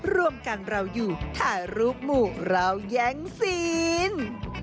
รวมกันเราอยู่ถ่ายรูปหมู่เราแย้งซีน